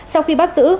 sau khi bắt giữ